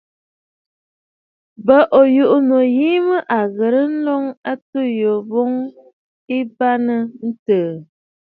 M̀bə ò yuʼù ànnù yìi mə à ghɨ̀rə ǹnǒŋ ɨtû jo ɨ bɨɨnə̀ ǹtəə.